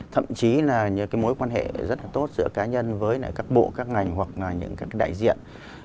thậm chí là nhờ cái mối quan hệ rất là tốt giữa cá nhân với các bộ các ngành hoặc là những cái đại diện